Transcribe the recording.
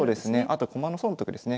あと駒の損得ですね。